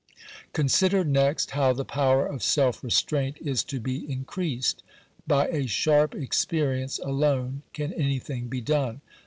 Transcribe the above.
Consider next how the power of self restraint is to be in creased. By a sharp experience alone can anything be done.